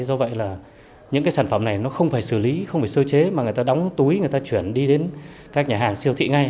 do vậy là những cái sản phẩm này nó không phải xử lý không phải sơ chế mà người ta đóng túi người ta chuyển đi đến các nhà hàng siêu thị ngay